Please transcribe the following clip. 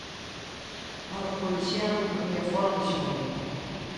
Para o colexiado había fóra de xogo.